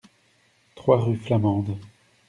trois rue Flamande